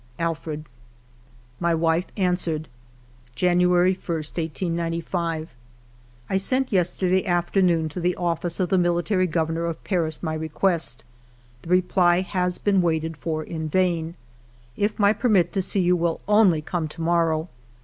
... Alfred." My wife answered :— "January i, 1895. " I sent yesterday afternoon to the Office of the Military Governor of Paris my request; the reply has been waited for in vain. ... If my permit to see you will only come to morrow!